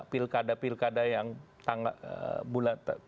pilkada pilkada yang berada di